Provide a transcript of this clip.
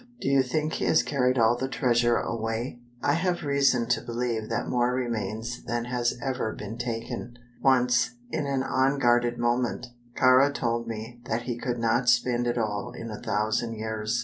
"Do you think he has carried all of the treasure away?" "I have reason to believe that more remains than has ever been taken. Once, in an unguarded moment, Kāra told me that he could not spend it all in a thousand years."